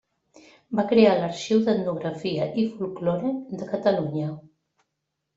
Va crear l'Arxiu d'Etnografia i Folklore de Catalunya.